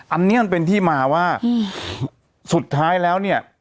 อันนี้มันเป็นที่มาว่าสุดท้ายแล้วเนี่ย